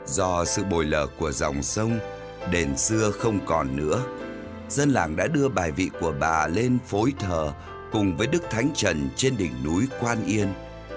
do sự bồi lở của dòng sông đền xưa không còn nữa dân làng đã đưa bài vị của bà lên phối thờ cùng với đức thánh trần trên đỉnh núi quan yên